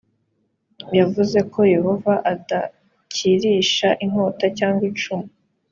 yavuze ko yehovaadakirisha inkota cyangwa icumu